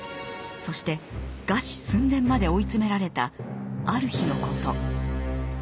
そして餓死寸前まで追い詰められたある日のこと。